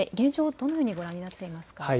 どのようにご覧になっていますか。